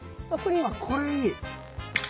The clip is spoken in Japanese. あっこれいい。